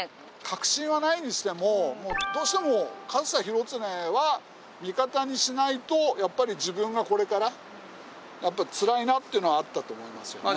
確信はないにしてもどうしても上総広常は味方にしないとやっぱり自分がこれからつらいなっていうのはあったと思いますよね。